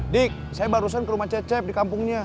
dik saya barusan ke rumah cecep di kampungnya